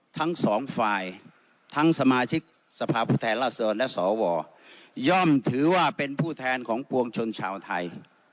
ทั้งสองฝ่ายทั้งสมาชิกสภาพผู้แทนราษฎรและสวย่อมถือว่าเป็นผู้แทนของปวงชนชาวไทย